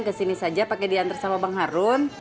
kesini saja pakai diantar sama bang harun